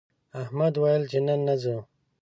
احمد ویل چې نن نه ځو